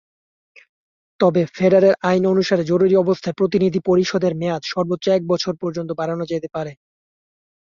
তবে, ফেডারেল আইন অনুসারে জরুরি অবস্থায় প্রতিনিধি পরিষদের মেয়াদ সর্বোচ্চ এক বছর পর্যন্ত বাড়ানো যেতে পারে।